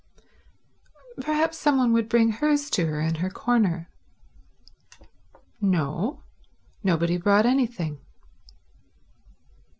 Perhaps some one would bring hers to her in her corner. No; nobody brought anything.